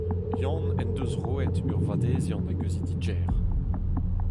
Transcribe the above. Yann en deus roet ur vadeziant a geuzidigezh.